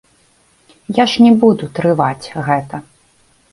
Я ж не буду трываць гэта.